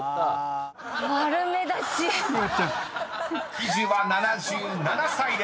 ［喜寿は「７７歳」です］